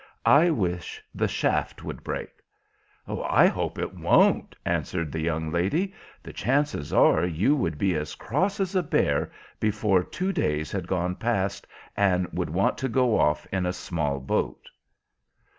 I wish the shaft would break." "I hope it won't," answered the young lady; "the chances are you would be as cross as a bear before two days had gone past, and would want to go off in a small boat."